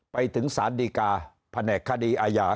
ไปถึงสารดีกาแผนกคดีอาญา